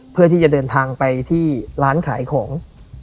เพื่อที่จะเดินทางไปที่ร้านขายของ